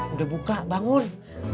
udah buka bangun